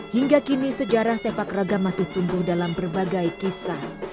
hingga kini sejarah sepak ragam masih tumbuh dalam berbagai kisah